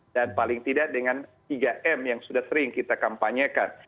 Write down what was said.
dan paling tidak dengan tiga m yang sudah sering kita kampanyekan